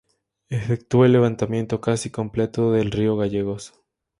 Efectuó el levantamiento casi completo de Río Gallegos.